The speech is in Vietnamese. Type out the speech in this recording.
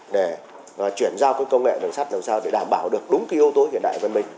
để chuyển giao cái công nghệ đường sắt làm sao để đảm bảo được đúng cái yếu tố hiện đại của văn minh